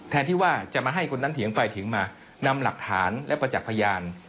ที่ว่าจะมาให้คนนั้นเถียงไปเถียงมานำหลักฐานและประจักษ์พยาน